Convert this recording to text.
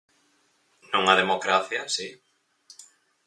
Nunha democracia, si.